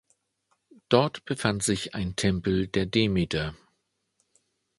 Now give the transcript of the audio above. Dort befand sich ein Tempel der Demeter.